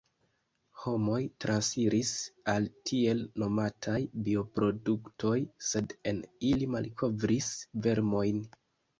Homoj transiris al tiel nomataj bioproduktoj – sed en ili malkovris vermojn.